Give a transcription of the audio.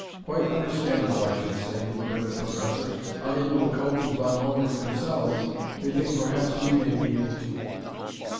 "Quite understandable, I should say," declared the professor. "Unable to cope with Von Ullrich themselves, they think perhaps we may be able to."